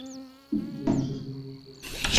কেউ বিশ্বাস করুক বা না করুক, তাতে কি যায় আসে?